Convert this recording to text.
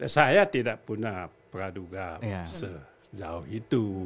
saya tidak punya peraduga sejauh itu